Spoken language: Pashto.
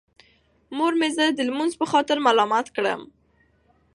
مور مې زه د لمونځ په خاطر ملامت کړم.